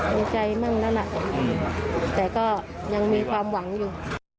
ทำใจมากนั่นแหละแต่ก็ยังมีความหวังอยู่